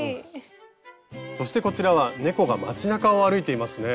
そしてこちらは猫が街なかを歩いていますね。